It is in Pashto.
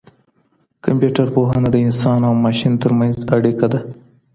کمپيوټر پوهنه د انسان او ماشین ترمنځ اړیکه ده.